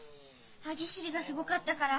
歯ぎしりがすごかったから。